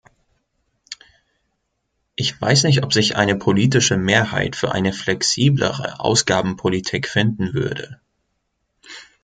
Ich weiß nicht, ob sich eine politische Mehrheit für eine flexiblere Ausgabenpolitik finden würde.